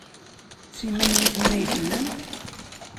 D timaynutin i tellamt?